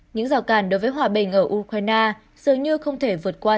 những rào cản đối với hòa bình ở ukraine dường như không thể vượt qua